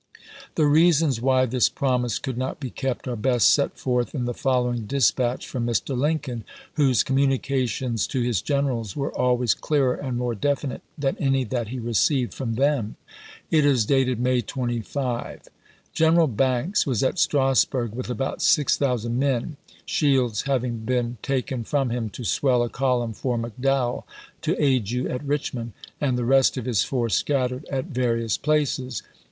The reasons why this promise could not be kept are best set forth in the following dispatch from Mr. Lincoln, whose com munications to his generals were always clearer and more definite than any that he received from them. It is dated May 25 : General Banks was at Strasburg with about 6000 men, Shields having been taken from him to swell a column for McDowell to aid you at Richmond, and the rest of his force scattered at various places.